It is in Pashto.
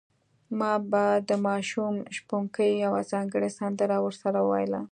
ما به د ماشوم شپونکي یوه ځانګړې سندره ورسره ویله.